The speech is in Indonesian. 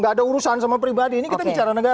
gak ada urusan sama pribadi ini kita bicara negara